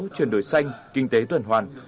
chuyển đổi xanh kinh tế tuần hoàn